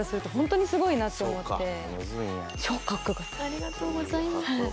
ありがとうございます。